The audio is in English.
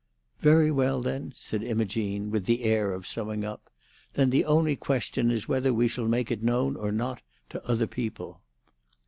"Very well, then," said Imogene, with the air of summing up; "then the only question is whether we shall make it known or not to other people."